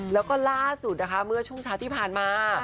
แล้วก็ล่าสุดนะคะเมื่อช่วงเช้าที่ผ่านมา